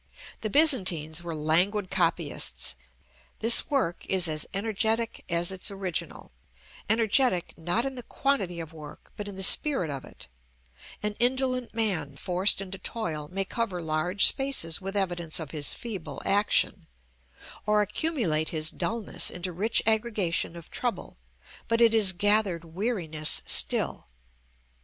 The Byzantines were languid copyists: this work is as energetic as its original; energetic, not in the quantity of work, but in the spirit of it: an indolent man, forced into toil, may cover large spaces with evidence of his feeble action, or accumulate his dulness into rich aggregation of trouble, but it is gathered weariness still.